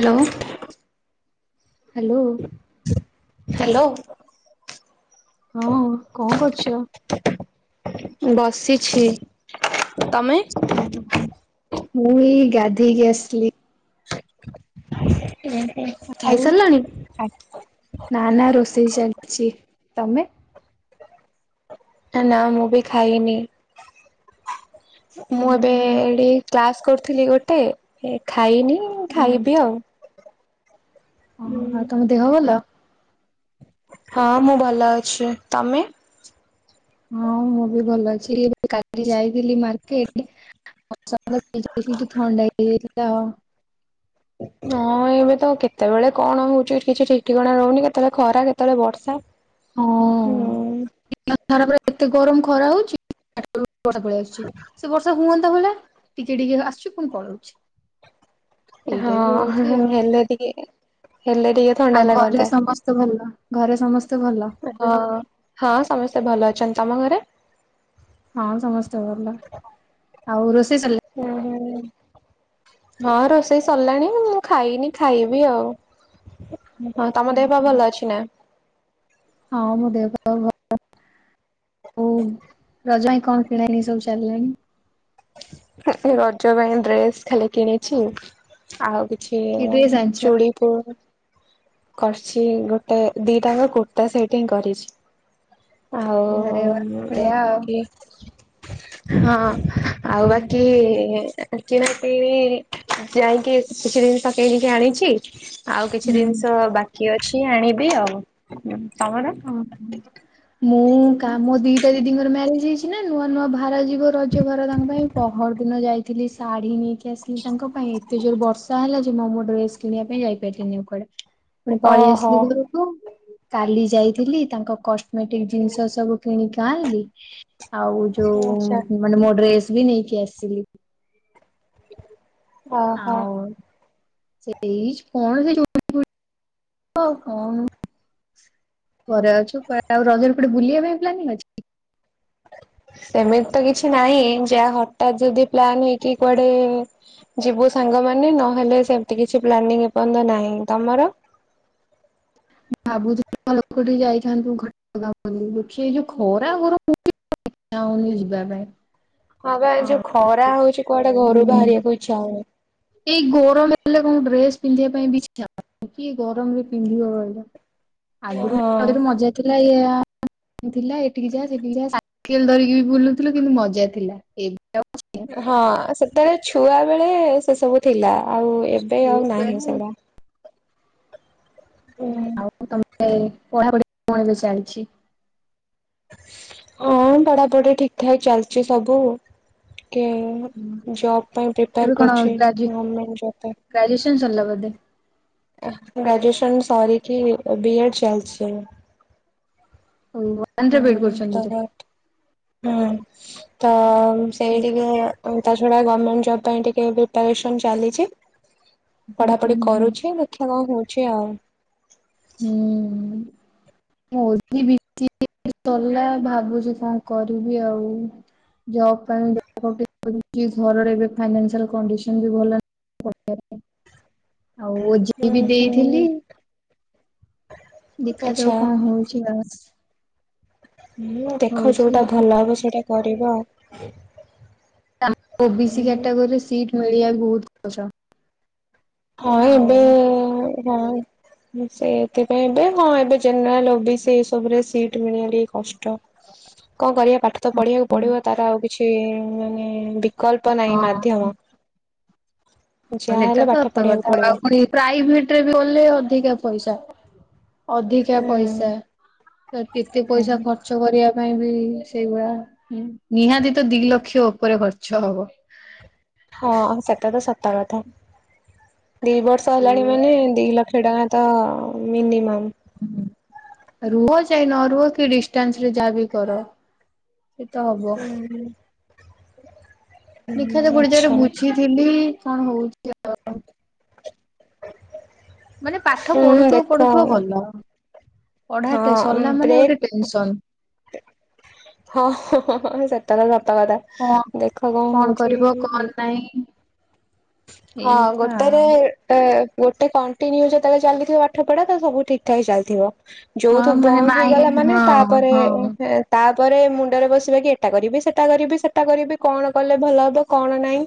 Hello hello hello ହଁ କଣ କରୁଛ? ବସିଛି ତମେ? ହ ମୁଁ ବି ଗାଧେଇକି ଆସଲି ଓ ହୋ ଖାଇ ଆଉ ସାରିଲାଣି ନା ନା ରୋଷେଇ ଚାଲିଛି ତମେ ନା ମୁଁ ବି ଖାଇନି ମୁଁ ଏବେ ହଁ ଏଇଠି କ୍ଲାସ କରୁଥିଲି ଗୋଟେ ଏ ଖାଇନି ଉ ହଁ ଖାଇବି ଆଉ ଓହ ଆଉ ତମ ଦେହ ଭଲ ହଁ ମୁଁ ଭଲ ଅଛି ତମେ ହଁ ମୁଁ ବି ଭଲ ଅଛି କାଲି ଯାଇଥିଲି ମାର୍କେଟ [unintelligible] ଥଣ୍ଡାହେଇ ଯାଇଥିଲା ହଁ ଏବେ ତ କେତେବେଳେ କଣ ହଉଛି କିଛି ଠିକ୍ ଠିକଣା ରହୁନି କେତେବେଳେ ଖରା କେତେବେଳେ ବର୍ଷା ହଁ ହୁଁ ଦିନ ସାରା ପୁରା ଏତେ ଗରମ ଖରା ହଉଛି ପ ଆସୁଛି ସେତେ ବର୍ଷ ହୁଅନ୍ତା ହେଲା ଟିକେ ଟିକେ ଆସୁଛି ପୁଣି ପଳଉଛି ଏ ଏଇ ହଁ ଟାଇପ ର ହଉଛି ଆଉ ହେଲେ ଟିକେ ହେଲେ ଟିକେ ଥଣ୍ଡା ଲାଗନ୍ତା ତ ଭଲ ଘରେ ସମସ୍ତେ ଭଲ ହ ହଁ ସମସ୍ତେ ଭଲ ଅଛନ୍ତି ତମ ଘରେ ହଁ ସମସ୍ତେ ଭଲ ଆଉ ରୋଷେଇ ସିଲ ହୁଁ ହୁଁ ହଁ ରୋଷେଇ ସରିଲାଣି-ଇ-ଇ-ଇ ମୁଁ ଖାଇନି ଖାଇବି ଆଉ। ହଁ ତମ ଦେହ ପା ଭଲ ଅଛି ନା? ହଁ ମୋ ଦେହ ପା ଭଲ। ଓଉ ରଜ ଆଇ କଣ କିଣା କିଣିି ସବୁ ଚାଲାଣି? ଏ ଏ ରଜ ପାଇଁ ଡ୍ରେସ ଖାଲି କିଣିଛି ଆଉ କି ଡ୍ରେସ୍ କିଛି-ଇ-ଇ-ଇ ଆଣିଛ? ଚୁଡି ପୁ କରିଛି-ଇ-ଇ ଗୋଟେ ଦିଟାଙ୍କ କୁର୍ତ୍ତା ସେଟ୍ ହିଁ କରିଛି। ଆରେ ବାଃ ଆଉ ବଢିଆ ଆଉ। ବାକି ହଁ ଆଉ ବାକି-ଇ-ଇ-ଇ କିଣା କିଣି-ଇ-ଇ-ଇ ଯାଇକି କିଛି ଜିନିଷ କିଣିକି ଆଣିଛି ଆଉ କିଛି ଜିନିଷ୍ ହୁଁ। ଅ ବାକି ଅଛି ଆଣିବି ଆଉ। ତମର? ହଁ ମୁଁ-ଉ-ଉ-ଉ କା ମୋ ଦିଟା ଦିଦିଙ୍କର ମ୍ୟାରେଜ ହେଇଛି ନା ନୂଆ ନୂଆ ବା ଭାର ଯିବ ରଜ ଭାର ତାଙ୍କ ପାଇଁ ପହର ଦିନ ଯାଇଥିଲି ଶାଢୀ ନେଇକି ଆସିଲି ତାଙ୍କ ପାଇଁ ଏତେ ଜୋର ବର୍ଷା ହେଲା ଯେ ମୁଁ ମୋ ଡ୍ରେସ କିଣିବା ପାଇଁ ଯାଇପାଇଲିନି ଆଉ କୁଆଡେ। ପୁଣି ପଳେଇ ଓହୋ। ଆସିଲି ଘରକୁ କାଲି ଯାଇଥିଲି ତାଙ୍କ କଷ୍ଟମେଟିକ ଜିନିଷ ସବୁ କିଣିକି ଆଣିଲି। ଆଉ ଆଚ୍ଛା ଯୋଉ-ଉ-ଉ-ଉ ମାନେ ମୋ ଡ୍ରେସ୍ ବି ନେଇକି ଆସିଲି। ଓହୋ ଆଉ-ଉ-ଉ ସେଇ କଣ ସେ ଯୋଉ [unintelligible] କଣ ଘରେ ଅଛୁ କୁଆଡେ ଆଉ ରଜରେ କୁଆଡେ ବୁଲିବା ପାଇଁ ପ୍ଲାନିଂ ଅଛି? ସେମିତି ତ କିଛି ନାହିଁ ଯାହା ହଠାତ ଯଦି ପ୍ଲାନ୍ ହେଇକି କୁଆଡେ-ଏ-ଏ ଯିବୁ ସାଙ୍ଗମାନେ ନହେଲେ ସେମତି କିଛି ପ୍ଲାନିଂ ଏ ପର୍ଯ୍ୟନ୍ତ ନାହିଁ, ତମର? ଭାବୁଥିଲୁ [unintelligible] ଯାଇଥାନ୍ତୁ ଘଣ୍ଟ ଗାଁ ବୋଲି ଦେଖ ଏ ଯୋଉ ଖରା ଗରମ ହେଉଚି ଉଚ୍ଛା ହଉନି ଯିବା ପାଇଁ। ହଁ ବା ଆଉ ଯୋଉ ଖରା ହଉଛି କୁଆଡେ ଘରୁ ହୁଁ ବାହାରିଆକୁ ଇଚ୍ଛା ହଉନି। ଏଇ ଗରମ ହେଲେ କଣ ଡ୍ରେସ ପିନ୍ଧିବା ପାଇଁ ବି ଇଚ୍ଛା ହେବନି କି ଗରମରେ ପିନ୍ଧିବ କହିଲ। ଆଗରୁ [unintelligible] ହଁ ମଜା ଥିଲା ଇଆ ଥିଲା ଏଠିକି ଯା ସେଠିକି ଯା ସାଇକେଲ ଧରିକି ବି ବୁଲୁଥିଲୁ କିନ୍ତୁ ମଜା ଥିଲା ଏବେ ଆଉ ହଁ ସେତେବେଳେ ଛୁଆ ବେଳେ ସେ ସବୁ ଥିଲା ଆଉ ଏବେ ସ୍କୁଲ ଆଉ ନାହିଁ ବେଳେ ସେଗୁଡା। ହୁଁ ଆଉ ତମେ ପଢାପଢି କଣ ଏବେ ଚାଲିଛି? ହଁ ପଢାପଢି ଠିକ ଠାକ ଚାଲିଛି ସବୁ ଟିକେ-ଏ-ଏ ଜବ୍ ପାଇଁ ପ୍ରିପାର କରୁଛି ଗମେଣ୍ଟ ଜବ୍ ପାଇଁ। ଗ୍ରାଜୁଏସନ୍ ସରିଲା ବୋଧେ? ଆ ଗ୍ରାଜୁଏଶନ୍ ସରିକି-ଇ ବି ଏଡ଼ ଚାଲଛି ଏବେ। ଓଉ ହୁଁ ତ [unintelligible] କରୁଛନ୍ତି [unintelligible] ହୁଁ ତ-ଅ-ଅ-ଅ ସେଇଡିିକ ଉ ତା ଛଡା ଗଭର୍ଣ୍ଣମେଣ୍ଟ ଜବ ପାଇଁ ଟିକେ ପ୍ରିପାରେସନ ଚାଲିଛି। ପଢା ପଢି କରୁଛି ଦେଖିବା କଣ ହଉଛି ଆଉ। ହୁଁ-ଉ-ଉ-ଉ [unintelligible] [unintelligible] ସଲା ଭାବୁଛି କଣ କରିବି ଆଉ। ଜବ୍ ପାଇଁ [unintelligible] ଘରର ଏବେ ଫାଇନାନସୀଆଲ କଣ୍ଡିସନ ବି ଭଲ ନା [unintelligible] ଆଉ ଓ ଜି ହୁଁ ବି ହୁଁ ଦେଇଥିଲି। ଦେଖାଯାଉ ଆଚ୍ଛା କଣ ହଉଛି ବାସ୍। ହୁଁ-ଉ-ଉ ଦେଖ ହଉଛି ଯୋଉଟା ଭଲ ହବ ସେଇଟା କରିବ। [unintelligible] ଓ ବି ସି ହୁଁ କ୍ୟାଟାଗୋରିରେ ସିଟ୍ ମିଳିବା ବହୁତ ଖଚ। ହଁ ଏବେ-ଏ-ଏ-ଏ ହଁ। ମୁଁ ସେଇଥିପାଇଁ ଏବେ ହଁ ଏବେ ଜେନେରାଲ୍ ଓବିସି ଏ ସବୁରେ ସିଟ୍ ମିଳିବା ଟିକେ କଷ୍ଟ। କଣ କରିବା ପାଠ ତ ପଢିବାକୁ ପଡିବ, ତାର ଆଉ କିଛି ମାନେ ବି କଳ୍ପ ନାହିଁ ମାଧ୍ୟମ, ହଁ ଯାହା ସେଟା ହେଲେ ପାଠ ସତ ତ ପଢିବାକୁ କଥା ପଡିବ। ଆଉ ପୁଣି ପ୍ରାଇଭେଟ୍ ରେ ବି କଲେ ଅଧିକା ପଇସା। ଅଧିକା ପଇସା, ତ କେତେ ପଇସା ହୁଁ ଖର୍ ର୍ଚ କରିବା ପାଇଁ ବି ସେଇଗରା ନିହାତି ତ ଦି ଲକ୍ଷ ଉପରେ ଖର୍ଚ୍ଚ ହବ। ହଁ ସେଟା ତ ସତ କଥା, ଦି ବର୍ଷ ହେଲାଣି ସେଇଆ ମାନେ ଦି ଲ କ୍ଷ ଟଙ୍କା ତ ମିନିମମ୍। ରୁହ ଯାଇ ନ ରୁହ କି ଡିଷ୍ଟାନ୍ସ ରେ ଯାହା ବିି କର ସେଇତ ହବ। ହୁଁ ଦେଖା ଯାଉ ଗୋଟେ ଜାଗରେ ଆଚ୍ଛା। ବୁଝିଥିଲି କଣ ହଉଛି ଆ,। ମାନେ ପାଠ ହୁଁ ପଢୁଥିବ ଦେଖ ପଢୁଥିବ ଭଲ। ପଢା ଟେ ହଁ ସରିଲା ମାନେ ବ୍ରେକ୍ ଗୋଟେ ଟେନସନ୍। ହଁ, ହଁ, ହଁ, ହଁ ସେଟା ତ ସତ କଥା। କଣ ଦେଖ କଣ ହଉଛି କରିବ କଣ [inaudible] ନାହିଁ ଏଇ ହଁ କଥା ଗୋଟେ ରେ ଆଉ ଏ ଗୋଟେ କଣ୍ଟିନ୍ୟୁ ଯେତେବେଳେ ଚାଲିଥିବ ପାଠ ପଢା ତ ସବୁ ଠିକ୍ ଠାକ୍ ଚାଲିଥିବ। ହଁ ଯୋଉଠୁ ମାନେ ବନ୍ଦ ମାଇଁ ହେଇଗଲା ମାନେ ହଁ ତାପରେ ହଁ ହେ ତାପରେ ମୁଣ୍ଡରେ ବସିବା କି ଏଟା କରିବି ସେଟା କରିବି ସେଟା କରିବି କଣ କଲେ ଭଲ ହବ କଣ ନାହିଁ।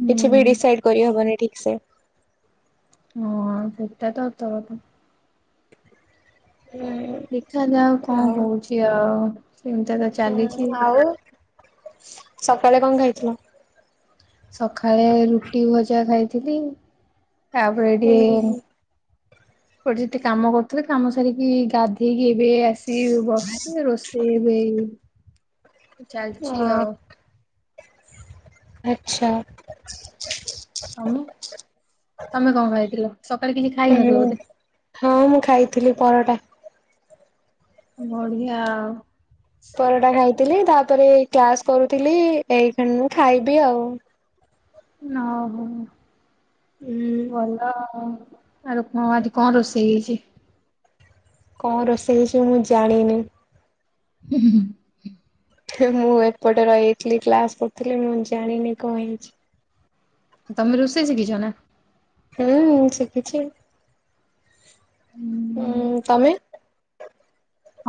ହୁଁ କିଛି ବି ଡିସାଇଡ୍ କରିହବନି ଠିକ ସେ। ହଁ ସେଟା ତ [unintelligible] ହୁଁ। ଦେଖାଯାଉ କଣ ହଉଛି ଆଉ। ସିମତିଆ ତ ଚାଲିଛି। ଆଉ ସକାଳେ କଣ ଖାଇଥିଲ? ସଖାଳେ ରୁଟି ଭଜା ଖାଇଥିଲି। ତାପରେ ହୁଁ ଟିକେ ହୁଁ ଗୋଟେ ଯେତେ କାମ କରୁଥିଲେ କାମ ସାରିକି ଗାଧେଇକି ଏବେ ଆସ ସି ବସଛି, ରୋଷେଇ ହେଇନି। ଅଁ, ଆଚ୍ଛା। ତୋମେ ତୋମେ କଣ ଖାଇଥିଲ? ସକାଳେ କିଛି ଖାଇନଥିଲ ହୁଁ। ବୋଧେ? ହଁ ମୁଁ ଖାଇଥିଲି ପରଟା। ବଢିଆ ଆଉ। ପରଟା ଖାଇଥିଲି। ତାପରେ କ୍ଲାସ୍ କରୁଥିଲି। ଏଇଖିଣ ମୁଁ ଖାଇବି ଆଉ। ନ ହଉ ହୁଁ ଭଲ ଆରୁ କଣ ଆଜି କଣ ରୋଷେଇ ହେଇଛି? କଣ ରୋଷେଇ ହେଇଛି ମୁଁ ଜାଣିନି। ହୁଁ, ହୁଁ, ହୁଁ। ହେ ମୁଁ ଏପଟେ ରହିଥିଲି କ୍ଲାସ୍ କରୁଥିଲି ମୁଁ ଜାଣିନି କଣ ହେଇଛି। ତୋମେ ରୋଷେଇ ଶିଖିଛ ନା? ହୁଁ, ମୁଁ ଶିଖିଛି। ହୁଁ, ନା? ତୋମେ?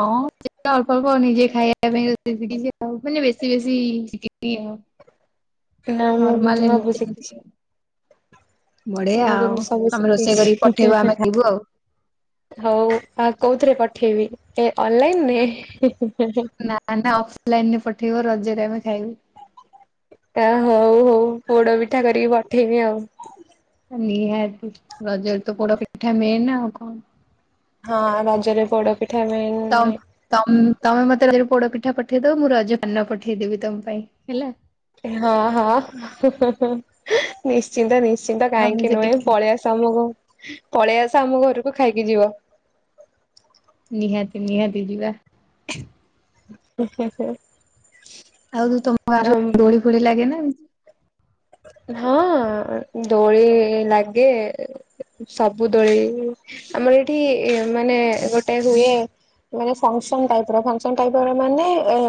ହଁ ଶି [unintelligible] ଅଳ୍ପ ଅଳ୍ପ ନିଜେ ଖାଇବା ପାଇଁ ରୋଷେଇ ଶିଖିଛି ଆଉ। ମାନେ ବେଶୀ ବେଶୀ ଶିଖିନି ଆଉ। ନା ମୁଁ କିନ୍ତୁ ନର୍ମାଲ୍ ସବୁ ଏମତି ଶିଖିଛି ଏମତି। ବଢ଼ିଆ ମୁଁ କିନ୍ତୁ ଆଉ ସବୁ ତୋମେ ରୋଷେଇ କରିକି ପଠେଇବ ଶିଖିଛି। ଆମେ ଖାଇବୁ ଆଉ। ହଉ ଆ, କୋଉଥିରେ ପଠେଇବି ଏ ଅନଲାଇନ୍ ରେ? ନା ନା ଅଫଲାଇନ୍ ରେ ପଠେଇବ ରଜରେ ଆମେ ଖାଇବୁ। ତା ହଉ ହଉ ପୋଡପିଠା କରିକି ପଠେଇବି ଆଉ। ନିହାତି ରଜରେ ତ ପୋଡ଼ ପିଠା ମେନ୍ ଆଉ କଣ। ହଁ ରଜରେ ପୋଡ଼ ପିଠା ମେନ୍। ତମ୍। ତମ୍ ତମେ ମତେ ରଜରେ ପୋଡ଼ ପିଠା ପଠେଇଦବ ମୁଁ ରଜ ପାନ ପଠେଇଦେବି ତମ ପାଇଁ ହେଲା।। ହଁ ହଁ ହଁ ହଁହଁ ନିଶ୍ଚିନ୍ତ ନିଶ୍ଚିନ୍ତ ତମେ କାହିଁକି ସେଠି ନୁହେଁ ଖା ପଳେଇ ଆସ ତମକୁ ପଳେଇ ଆସ ଆମ ଘରକୁ ଖାଇକି ଯିବ। ନିହାତି ନିହାତି ଯିବା। ହୁ ହୁଁ ହୁଁ। ଆଉ ଯୋଉ ତମ ଗାଁ ରେ ସବୁ ଦୋଳି ଫୋଳି ଲାଗେ ନା ଏମ୍ ହଁ ଦୋଳି ଲାଗେ। ସବୁ ଦଳେ ଆମର ଏଠି ମାନେ ଗୋଟେ ହୁଏ। ମାନେ ଫଂକ୍ସନ୍ ଟାଇପର ଫଂକ୍ସନ୍ ଟାଇପର ମାନେ ଏ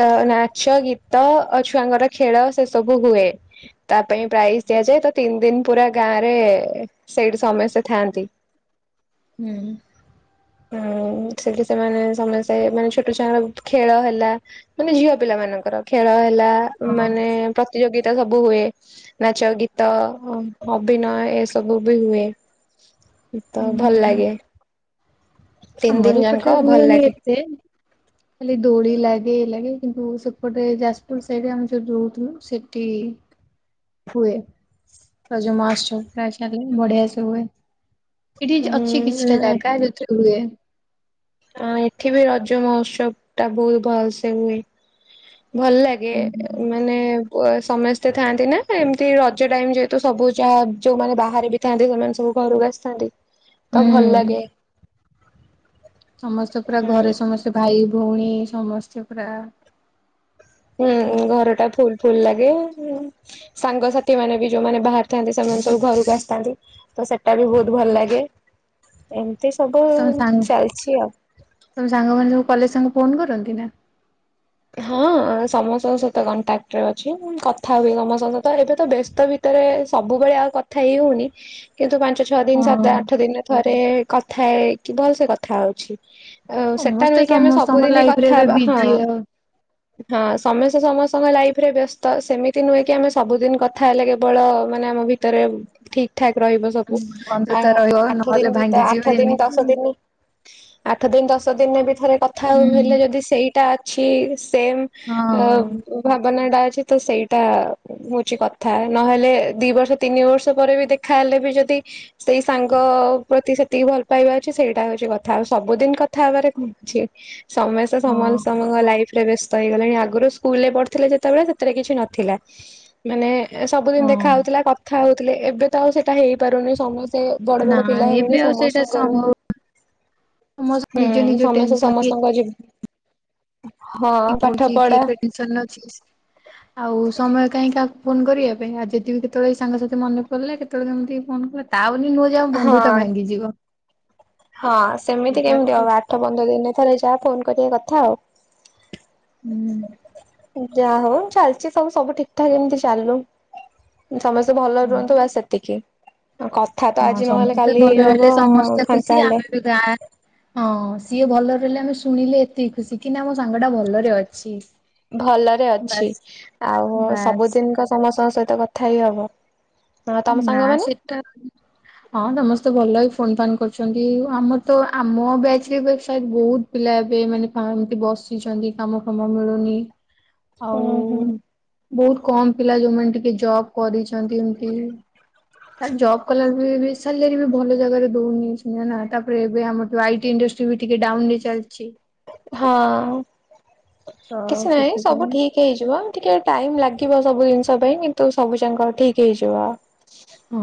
ଅ ନାଚ ଗୀତ ଅ ଛୁଆଙ୍କର ଖେଳ ସେ ସବୁ ହୁଏ। ତା ପାଇଁ ପ୍ରାଇଜ ଦିଆଯାଏ ତ ତିନି ଦିନ ପୁରା ଗାଁରେ ସେଇଠି ସମସ୍ତେ ଥାଆନ୍ତି। ହୁଁ। ହୁଁ ସେଠି ସେମାନେ ସମସ୍ତେ ମାନେ ଛୋଟ ଛୁଆଙ୍କ ଖେଳ ହେଲା। ମାନେ ଝିଅ ପିଲା ମାନଙ୍କର ଖେଳ ହେଲା ହୁଁ ହଁ ମାନେ ହୁଁ। ପ୍ରତିଯୋଗିତା ସବୁ ହୁଏ। ନାଚ ଗୀତ ଅ -ଅଭିନୟ ଏସବୁ ବି ହୁଏ। ତ ଭଲ ହୁଁ। ଲାଗେ। ତିନି ଆମର ଦିନ ଏପଟରେ ଯାକ ଭଲ ହୁଏନି ଲାଗେ। ଏତେ। ଖାଲି ଦୋଳି ଲାଗେ ଇଏ ଲାଗେ କିନ୍ତୁ ସେପଟେ ଯାଜପୁର ସାଇଡରେ ଆମେ ଯୋଉଠି ରହୁଥିଲୁ ସେଠି ହୁଏ ରଜ ମହୋତ୍ସବ [unintelligible] ବଢ଼ିଆ ସେ ହୁଏ। ଏଠି ଅଛି ହୁଁ କିଛିଟା ଜାଗା ଯୋଉଥିରେ ହୁଏ। ଆଁ ଏଠି ବି ରଜ ମହୋତ୍ସବ ଟା ବୋହୁତ ଭଲ ସେ ହୁଏ। ଭଲ ଲାଗେ ଏ ମାନେ ଓଏ ସମସ୍ତେ ଥାଆନ୍ତି ନା ଏମିତି ରଜ ଟାଇମ ଯେହେତୁ ସବୁ ଯାହା ଯୋଉମାନେ ବାହାରେ ବି ଥାନ୍ତି ସେମାନେ ସବୁ ଘରକୁ ଆସିଥାନ୍ତି ତ ଭଲ ହୁଁ ଲାଗେ। ସମସ୍ତେ ପୁରା ହୁଁ ଘରେ ସମସ୍ତେ ଭାଇ ଭଉଣୀ ସମସ୍ତେ ପୁରା ହୁଁ ଘରଟା ଫୁଲ। ଫୁଲ ଲାଗେ ସାଙ୍ଗସାଥି ମାନେ ବି ଯୋଉମାନେ ବାହାରେ ଥାନ୍ତି ସେମାନେ ସବୁ ଘରକୁ ଆସିଥାନ୍ତି। ତ ସେଟା ବି ବୋହୁତ ଭଲ ଲାଗେ ଏମିତି ସବୁ ତମ ସାଙ୍ଗ ଚାଲିଛି ଆଉ। ତମ ସାଙ୍ଗମାନେ ସବୁ କଲେଜ ସାଙ୍ଗେ ଫୋନ କରନ୍ତି ନା? ହଁ ସମସ୍ତଙ୍କ ସହିତ କଣ୍ଟାକ୍ଟରେ ଅଛି କଥା ହୁଏ ସମସ୍ତଙ୍କ ସହିତ ଏବେ ତ ବ୍ୟସ୍ତ ଭି ତରେ ସବୁବେଳେ ଆଉ କଥା ହେଇ ହଉନି କିନ୍ତୁ ପା ଞ୍ଚ ଛଅ ଦିନ ସାତ ହଁ ଆଠ ଦିନ ଥରେ କଥା ହେଇକି ଭଲସେ କଥା ହଉଛି। ଆଉ ସେଟା ସମସ୍ତେ ନୁହେଁ କି ଆମେ ସମସ୍ତଙ୍କ ସବୁଦିନ ଲାଇଫରେ କଥା ଏବେ ହବା ହଁ। ବିଜି ଆଉ। ହଁ ସମସ୍ତେ ସମସ୍ତଙ୍କ ଲାଇଫରେ ବ୍ୟସ୍ତ ସେମିତି ନୁହେଁ କି ଆମେ ସବୁଦିନ କଥା ହେଲେ କେ ବଳ ମାନେ ଆମ ଭିତରେ ଠିକ୍ ଠାକ ରହିବ ସବୁ ଆ ବନ୍ଧୁତା ରହିବ ଆଠ ନହେଲେ ଦିନ ଭିତ ଭାଙ୍ଗିଯିବ ଆଠ ଦିନି ଏମିତି ଦଶ ଦିନି ଆଠ ଦିନ ଦଶ ଦିନରେ ବି ଥରେ କଥା ହୁଁ [unintelligible] ହେଲେ ଯଦି ସେଇଟା ଅଛି ସେମ ଅ ହଁ। ଭାବନାଟା ଅଛି ତ ସେଇଟା ହଉଛି କଥା ନହେଲେ ଦି ବର୍ଷ ତିନି ବର୍ଷ ପରେ ବି ଦେଖା ହେଲେ ବି ଯଦି ସେଇ ସାଙ୍ଗ ପ୍ରତି ସେତିକି ଭଲ ପାଇବା ଅଛି ସେଇଟା ହଉଛି କଥା ଆଉ ସବୁଦିନ କଥା ହେବାରେ କଣ ଅଛି ସମସ୍ତେ ସମାନ ହଁ ସମ ଫ୍ ରେ ବ୍ୟସ୍ତ ହେଇଗଲେଣି ଆଗରୁ ସ୍କୁଲରେ ପଢ଼ୁଥିଲେ ଯେତେବେଳେ ସେତେବେଳେ କିଛି ନଥିଲା ମାନେ ସବୁଦିନ ହଁ ଦେଖା ହଉଥିଲା କଥା ହଉଥିଲେ ଏବେ ତ ଆଉ ସେଇଟା ହେଇପାରୁନି ସମସ୍ତେ ସେ ବଡ ନା ବଡ ପିଲା ଏବେ ହେଇଗଲେଣି ଆଉ ସେଇଟା ସମସ୍ତଙ୍କର ହୁଁ ସମ୍ଭବ ସମସ୍ତ ନିଜ ନିଜ ସମସ୍ତେ ଟେନସନ କିଏ ସମସ୍ତଙ୍କ ଜି ହଁ କିଏ ପାଠ କହୁଛି କିଏ ପଢା ପ୍ରେଡିକ୍ସନରେ ଅଛି। ଆଉ ସମୟ କାହିଁ କାହାକୁ ଫୋନ କରିବା ପାଇଁ ଆଉ ଯଦି ବି କେତେବେଳେ ସାଙ୍ଗସାଥି ମନେ ପଡିଲେ କେତେବେଳେ କେମିତି ଫୋନ କର ତା ବୋଲି ନୁହ ଯେ ଆମ ହଁ ବନ୍ଧୁତା ଭାଙ୍ଗିଯିବ। ହଁ ସେମିତି ଏଇଟା କେମିତି ହଉଛି ହବ ଆଠ ପନ୍ଦର ଦିନରେ ଥରେ ଯା ଫୋନ କରିବା କଥା ଆଉ ହୁଁ। ଯା ହଉ ଚାଲିଛି ସବୁ ସବୁ ଠିକ୍ ଠାକ୍ ଏମିତି ଚାଲୁ। ସମସ୍ତେ ଭଲରେ ରୁହନ୍ତୁ ହଁ ବାସ ସେତିକି ଆ କପ୍ କଥା ତ ହଁ ଆଜି ନହେଲେ ସମସ୍ତେ କାଲି ହେଇ ହେବ ଫାଙ୍କା ହେଲେ। ନା ହଁ ସିଏ ଭଲ ରହିଲେ ଆମେ ଶୁଣିଲେ ଏତିକି ଖୁସି କି ନା ଆମ ସାଙ୍ଗ ଟା ଭଲରେ ଅଛି। ଭଲରେ ଅଛି ବାସ୍ ଆଉ ବାସ୍ ସବୁଦିନ କଣ ସମସ୍ତଙ୍କ ସହିତ କଥା ହେଇ ହବ? ହଁ ତମ ନାଁ ସାଙ୍ଗମାନେ? ସେଟା ହଁ ସମସ୍ତେ ଭଲ ଏଇ ଫୋନ ଫାନ୍ କରୁଛନ୍ତି ଆମର ତ ଆମ ବ୍ୟାଚରେ [unintelligible] ବହୁତ ପିଲା ଏବେ ମାନେ ଫାଂ ଏମତି ବସିଛନ୍ତି କାମ ଫାମ ମିଳୁନି। ଆଉ ହୁଁ ହୁଁ। ବହୁତ କମ ପିଲା ଯୋଉମାନେ ଟିକେ ଜବ କରିଛନ୍ତି ଏମତି ତାର ଜବ୍ କଲା ସାଲାରୀ ବି ଭଲ ଜାଗାରେ ଦଉନି ତାପରେ ଏବେ ଆମର ଆଇଟି ଇଣ୍ଡଷ୍ଟ୍ରି ବି ଟିକେ ଡାଉନ ରେ ଚାଲିଚି। ହଁ ତ କିଛି ନାହିଁ ସେଥିପାଇଁ ସବୁ ଠିକ୍ ହେଇଯିବ ଟିକେ ଟାଇମ ଲାଗିବ ସବୁ ଜିନିଷ ପାଇଁ କିନ୍ତୁ ସବୁ ଯାକ ଠିକ ହେଇଯିବ।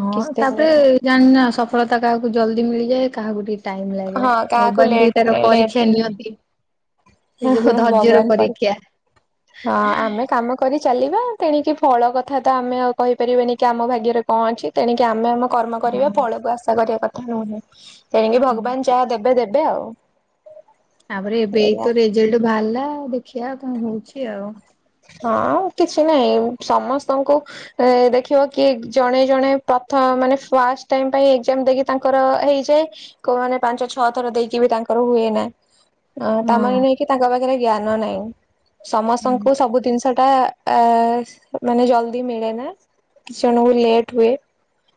ହଁ କିଛି ଦିନ ତାପରେ ଜାଣିନା ସଫଳତା କାହାକୁ ଜଲଦି ମିଳିଯାଏ କାହାକୁ ଟିକେ ଟାଇମ୍ ଲାଗେ ହଁ କାହାକୁ ଭଗବାନ୍ ବି ତାର ଲେଟ ଲେଟ ପରୀକ୍ଷା ନିଅନ୍ତି। ସେ ଯକୁ ଧୈର୍ଯ୍ୟର ଭଗବାନ କରି ପରୀକ୍ଷା। ହଁ ଆମେ କାମ କରି ଚାଲିବା ତେଣିକି ଫଳ କଥା ତ ଆମେ ଆଉ କହିପାରିବାନି କି ଆମ ଭାଗ୍ୟରେ କଣ ଅଛି ତେଣିକି ଆମେ ଆମ କର୍ମ କରିବା ହଁ ଫଳକୁ ଆଶା କରିବା କଥା ନୁହେଁ ତେଣିକି ବାନ ଜାହା ଦେବେ ଦେବେ ଆଉ ତାପରେ ଏବେ ଏଇଆ ଏଇତ ରେଜଲ୍ଟ ଭାଲା ଦେଖିବା କଣ ହଉଛି ଆଉ ହଁ କିଛି ନହିଁ ସମସ୍ତଙ୍କୁ ଏ ଦେଖିବ କି ଜଣେ ଜଣେ ପ୍ରଥମ ମାନେ ଫାଷ୍ଟ ଟାଇମ ପାଇଁ ଏକ୍ସଜାମ ଦେଇକି ତାଙ୍କର ହେଇଯାଏ। କୋଉ ମାନେ ପାଞ୍ଚ ଛଅ ଥର ଦେଇକି ବି ତାଙ୍କର ହୁଏ ନା। ହ ହଁ ତାମାନୋନେ ନୁହେଁ କି ତାଙ୍କ ପାଖରେ ଜ୍ଞାନ ନାହିଁ ସମସ୍ତଙ୍କୁ ହୁଁ ସବୁ ଜିନିଷ ଟା ମାନେ ଜଲଦି ମିଳେ ନା। କିଛି ଜଣଙ୍କୁ ଲେଟ୍ ହୁଏ।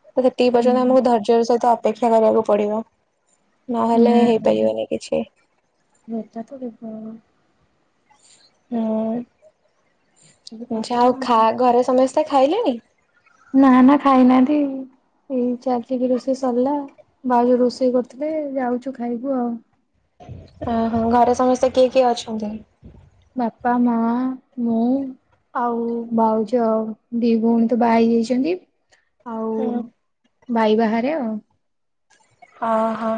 ସେତିକି ପର୍ଯ୍ୟନ୍ତ ହୁଁ ଆମକୁ ଧୈର୍ଯ୍ୟ ର ସହିତ ଅପେକ୍ଷା କରିବାକୁ ପଡିବ। ନହେଲେ ହୁଁ ହେଇପାରିବନି କିଛି। [unintelligible] ସବୁ ହଁ [unintelligible] କଥା ଆଉ ଘରେ ସମସ୍ତେ ଖାଇଲେଣି? ନା ନା ଖାଇନାହାନ୍ତି ଏଇ ଚାଲି ଟିକି ରୋଷେଇ ସରିଲା ଭାଉଜ ରୋଷେଇ କରୁଥିଲେ ଯାଉଛୁ ଖାଇବୁ ଆଉ ଓହୋ ଘରେ ସମସ୍ତେ କିଏ କିଏ ଅଛନ୍ତି? ବାପା ମାଆ ମୁଁ ଆଉ ଭାଉଜ ଦି ଭଉଣୀ ତ ବାହା ହେଇଯାଇଛନ୍ତି। ହୁଁ ଭାଇ ବାହାରେ ଆଉ ଓହୋ।